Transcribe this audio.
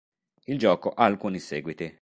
Il gioco ha alcuni seguiti.